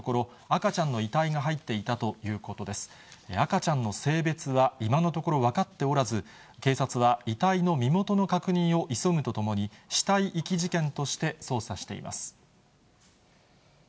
赤ちゃんの性別は今のところ、分かっておらず、警察は遺体の身元の確認を急ぐとともに、死体遺棄事件として捜査しています。